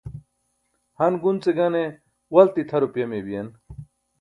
han gunce gane walti tʰa rupaya mey biyen.